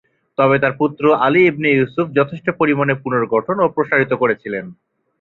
তবে তাঁর পুত্র আলী ইবনে ইউসুফ যথেষ্ট পরিমাণে পুনর্গঠন ও প্রসারিত করেছিলেন।